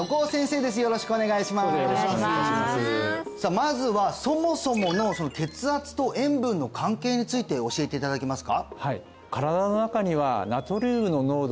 まずはそもそもの血圧と塩分の関係について教えていただけますか？